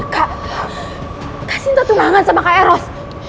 kak kak sinta tunangan sama kak eros